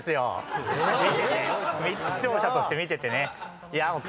視聴者として見ててね。